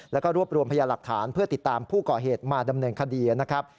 แล้วก็รวบรวมพยาหลักฐานเพื่อติดตามผู้ก่อเหตุมาดำเนินคดีนะครับ